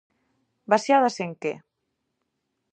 Baseadas en que?